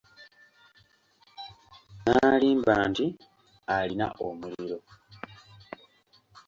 N'alimba nti alina omuliro.